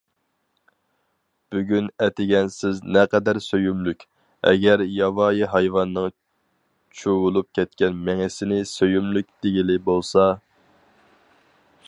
بۈگۈن ئەتىگەن سىز نەقەدەر سۆيۈملۈك، ئەگەر ياۋايى ھايۋاننىڭ چۇۋۇلۇپ كەتكەن مېڭىسىنى سۆيۈملۈك دېگىلى بولسا.